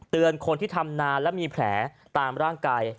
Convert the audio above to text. คนที่ทำนานและมีแผลตามร่างกาย